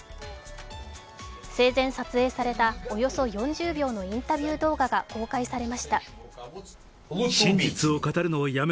生前撮影されたおよそ４０秒のインタビュー動画が公開されました。